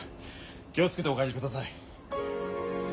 気を付けてお帰りください。